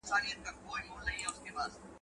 ولي مورنۍ ژبه د زده کړې بنسټيز رول لري؟